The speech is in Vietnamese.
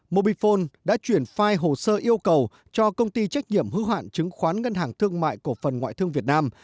mobifone đã chuyển file hồ sơ yêu cầu cho công ty trách nhiệm hưu hạn chứng khoán ngân hàng thương mại cổ phần ngoại thương việt nam